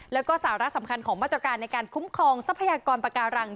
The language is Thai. แล้วก็สาระสำคัญของมาตรการในการคุ้มครองทรัพยากรปาการัง